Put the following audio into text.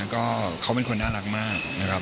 ก็เขาเป็นคนน่ารักมากนะครับ